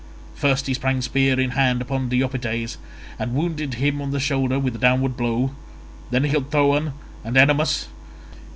First he sprang spear in hand upon Deiopites and wounded him on the shoulder with a downward blow; then he killed Thoon and Ennomus.